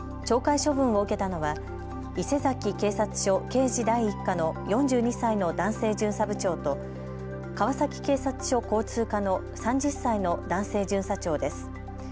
懲戒処分を受けたのは伊勢佐木警察署刑事第１課の４２歳の男性巡査部長と川崎警察署交通課の３０歳の男性巡査長です。